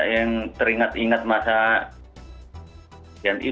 yang teringat ingat masa